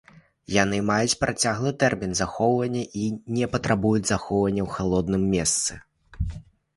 Яны маюць працяглы тэрмін захоўвання і не патрабуюць захоўвання ў халодным месцы.